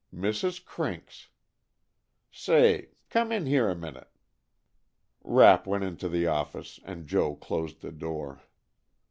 Mrs. Crink's! Say, come in here a minute." Rapp went into the office and Joe closed the door.